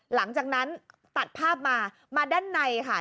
หลังจากนั้นตัดภาพมามาด้านในค่ะ